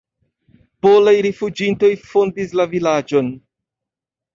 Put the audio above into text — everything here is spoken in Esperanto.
Polaj rifuĝintoj fondis la vilaĝon.